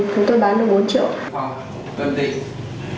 chúng tôi bán được bốn triệu